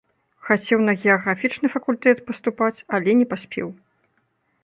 Хацеў на геаграфічны факультэт паступаць, але не паспеў.